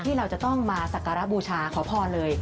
ที่เราจะต้องมาสักการะบูชาขอพรเลย